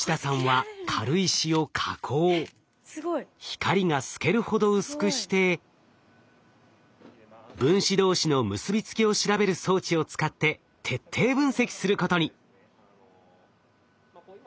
光が透けるほど薄くして分子同士の結び付きを調べる装置を使って徹底分析することに。